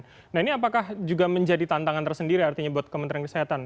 jadi ini apakah juga menjadi tantangan tersendiri artinya buat kementerian kesehatan